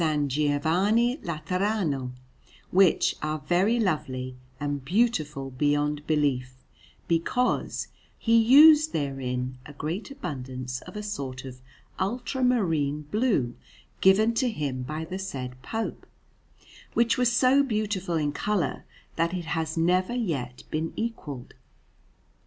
Giovanni Laterano, which are very lovely and beautiful beyond belief, because he used therein a great abundance of a sort of ultramarine blue given to him by the said Pope, which was so beautiful in colour that it has never yet been equalled.